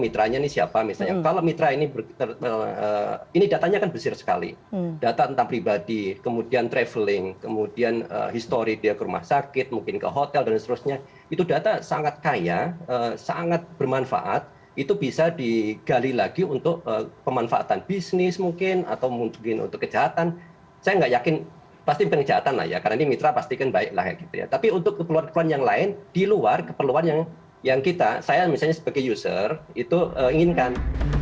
tapi untuk keperluan keperluan yang lain di luar keperluan yang kita saya misalnya sebagai user itu inginkan